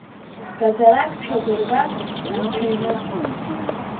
Гаӡарак дшадыргаз, анцәиныс…